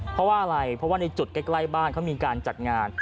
เพราะว่าอะไรเพราะว่าในจุดใกล้บ้านเขามีการจัดงาน